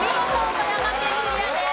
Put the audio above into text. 富山県クリアです。